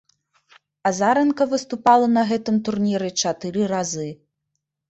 Азаранка выступала на гэтым турніры чатыры разы.